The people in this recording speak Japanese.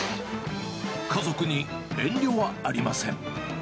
家族に遠慮はありません。